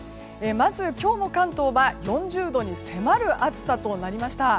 まず、今日の関東は４０度に迫る暑さとなりました。